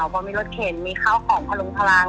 เพราะมีรถเข็นมีข้าวของพลุงพลัง